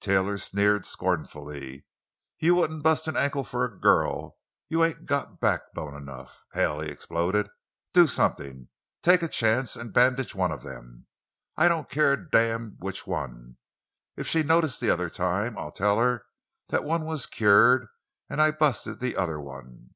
Taylor sneered scornfully. "You wouldn't bust an ankle for a girl—you ain't got backbone enough. Hell!" he exploded; "do something! Take a chance and bandage one of them—I don't care a damn which one! If she noticed the other time, I'll tell her that one was cured and I busted the other one!"